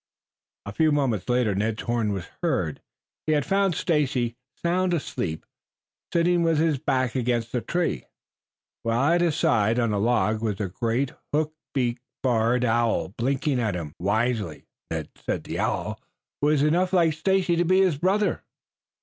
A few moments later Ned's horn was heard. He had found Stacy sound asleep, sitting with his back against a tree, while at his side on a log was a great, hook beaked, barred owl blinking at him wisely. Ned said the owl was enough like Stacy to be his own brother.